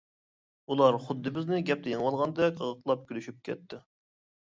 ئۇلار خۇددى بىزنى گەپتە يېڭىۋالغاندەك، قاقاقلاپ كۈلۈشۈپ كەتتى.